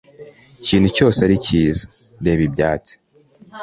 kintu cyose ari cyiza! reba ibyatsi